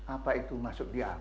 apa itu masuk di akal